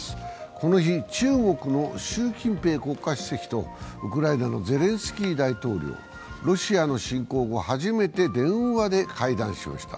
この日、中国の習近平国家主席とウクライナのゼレンスキー大統領、ロシアの侵攻後、初めて電話で会談しました。